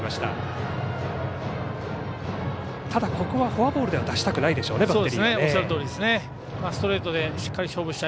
ここはフォアボールでは出したくないでしょうね